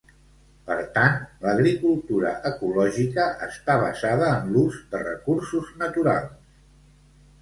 Per tant, l'agricultura ecològica està basada en l'ús de recursos naturals.